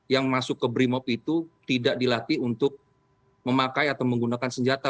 yang masuk ke brimop itu tidak dilatih untuk memakai atau menggunakan senjata